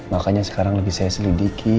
makanya sekarang lebih saya selidiki